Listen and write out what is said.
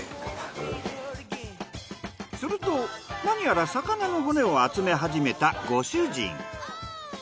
するとなにやら魚の骨を集め始めたご主人。